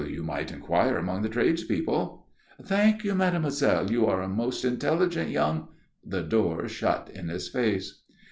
"You might enquire among the tradespeople." "Thank you, mademoiselle, you are a most intelligent young " The door shut in his face.